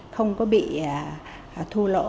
không có bị thu lỗ